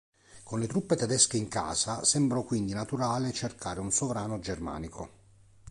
Con le truppe tedesche in casa, sembrò quindi naturale cercare un sovrano germanico.